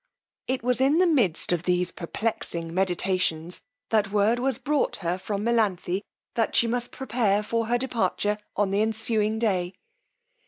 It was in the midst of these perplexing meditations that word was brought her from Melanthe, that she must prepare for her departure on the ensuing day.